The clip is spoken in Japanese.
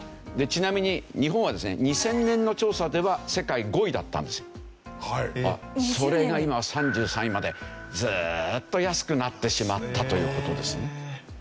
ちなみに日本はですね２０００年の調査では世界５位だったんですよ。それが今は３３位までずっと安くなってしまったという事ですね。